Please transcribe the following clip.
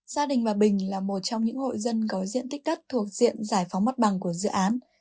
gia đình bà bình là một trong những hội dân có diện tích đất thuộc diện giải phóng mặt bằng của dự án